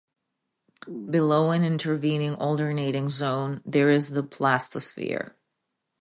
Below an intervening alternating zone, there is the plastosphere.